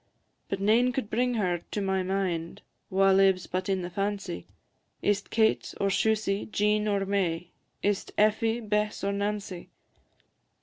But nane could bring her to my mind Wha lives but in the fancy, Is 't Kate, or Shusie, Jean, or May, Is 't Effie, Bess, or Nancy?